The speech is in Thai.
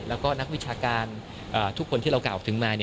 แล้วก็นักวิชาการทุกคนที่เรากล่าวถึงมา